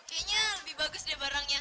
kayaknya lebih bagus deh barangnya